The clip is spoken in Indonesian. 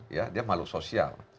ya dia mahluk sosial